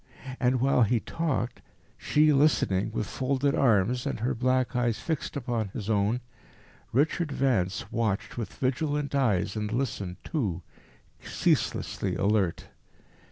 And while he talked, she listening with folded arms and her black eyes fixed upon his own, Richard Vance watched with vigilant eyes and listened too, ceaselessly alert.